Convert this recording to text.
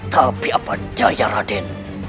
tapi apa jaya raden